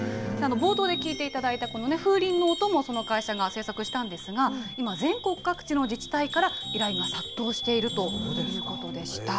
冒頭で聞いていただいたこの風鈴の音も、その会社が制作したんですが、今、全国各地の自治体から依頼が殺到しているということでした。